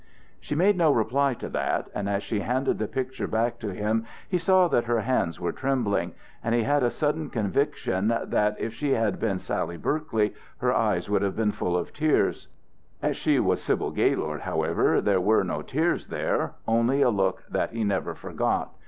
She made no reply to that, and as she handed the picture back to him, he saw that her hands were trembling, and he had a sudden conviction that, if she had been Sally Berkeley, her eyes would have been full of tears. As she was Sybil Gaylord, however, there were no tears there, only a look that he never forgot.